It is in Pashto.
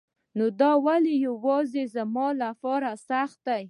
دا نو ولی يواځي زما لپاره سخت دی